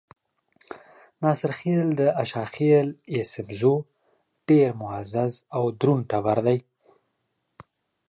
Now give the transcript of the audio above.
ناصرخېل د اشاخېل ايسپزو ډېر معزز او درون ټبر دے۔